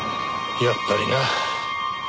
やっぱりな。